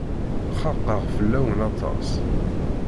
Xaqeɣ fell-awen aṭas.